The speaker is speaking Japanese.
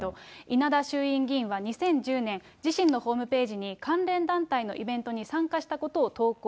稲田衆院議員は２０１０年、自身のホームページに、関連団体のイベントに参加したことを投稿。